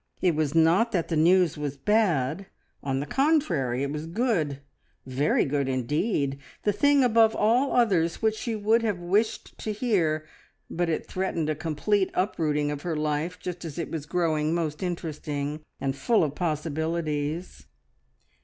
It was not that the news was bad; on the contrary, it was good very good indeed the thing above all others which she would have wished to hear, but it threatened a complete uprooting of her life just as it was growing most interesting, and full of possibilities.